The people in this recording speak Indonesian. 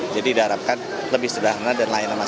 diharapkan lebih sederhana dan lain lain